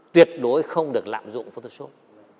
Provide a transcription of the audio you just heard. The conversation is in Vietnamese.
tuyệt đối không được lạm dụng photoshop